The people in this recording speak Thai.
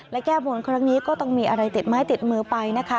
และแก้บนครั้งนี้ก็ต้องมีอะไรติดไม้ติดมือไปนะคะ